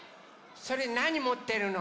それなにもってるの？